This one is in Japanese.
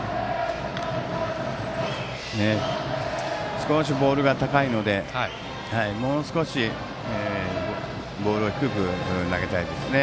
少しボールが高いのでもう少しボールを低く投げたいですね。